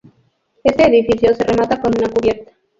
Este edificio se remata con una cubierta.